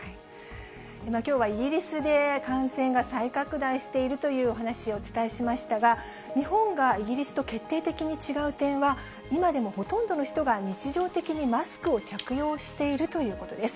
きょうはイギリスで、感染が再拡大しているというお話をお伝えしましたが、日本がイギリスと決定的に違う点は、今でもほとんどの人が日常的にマスクを着用しているということです。